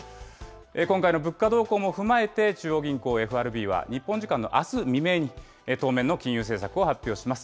今回の物価動向も踏まえて、中央銀行・ＦＲＢは日本時間のあす未明に、当面の金融政策を発表します。